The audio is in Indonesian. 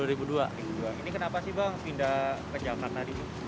ini kenapa sih bang pindah ke jakarta